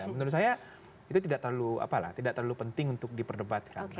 menurut saya itu tidak terlalu penting untuk diperdebatkan